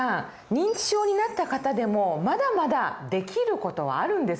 認知症になった方でもまだまだできる事はあるんですよね。